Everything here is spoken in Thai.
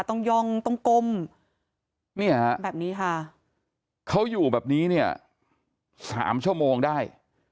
ต้องย่องต้องก้มเนี่ยแบบนี้ค่ะเขาอยู่แบบนี้เนี่ย๓ชั่วโมงได้